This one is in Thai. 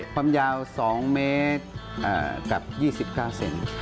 ความยาว๒เมตรกับ๒๙เซน